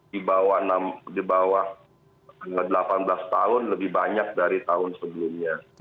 di bawah delapan belas tahun lebih banyak dari tahun sebelumnya